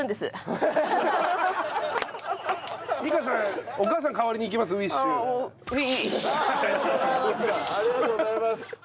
ありがとうございます。